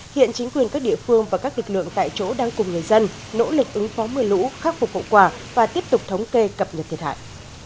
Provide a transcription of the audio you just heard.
hiện chính quyền các địa phương và các lực lượng tại chỗ đang cùng người dân nỗ lực ứng phó mưa lũ khắc phục hậu quả và tiếp tục thống kê cập nhật thiệt hại